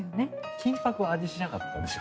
金箔は味しなかったでしょ。